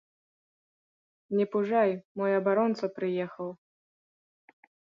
Не пужай, мой абаронца прыехаў.